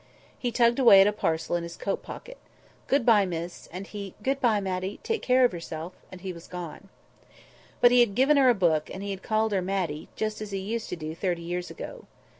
He tugged away at a parcel in his coat pocket. "Good bye, miss," said he; "good bye, Matty! take care of yourself." And he was gone. But he had given her a book, and he had called her Matty, just as he used to do thirty years ago.